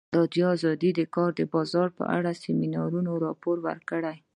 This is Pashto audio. ازادي راډیو د د کار بازار په اړه د سیمینارونو راپورونه ورکړي.